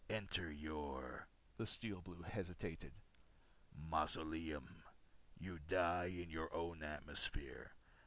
"Enter your" the Steel Blue hesitated "mausoleum. You die in your own atmosphere.